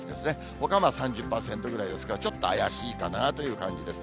ほかは３０％ぐらいですから、ちょっと怪しいかなという感じです。